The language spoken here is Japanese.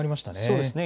そうですね。